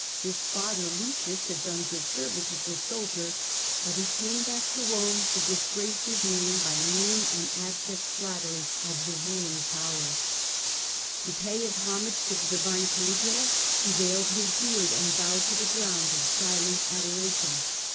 His father Lucius had done good service Vitelhus. ^ soldier, but he came back to Rome to disgrace his name by mean and abject flattery of the Vitellius. A.D.69. 133 ruling powers. To pay his homage to the divine Caligula he veiled his bearjj and bowed to ^ the ground in silent adoration.